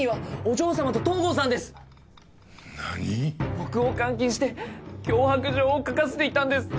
僕を監禁して脅迫状を書かせていたんです。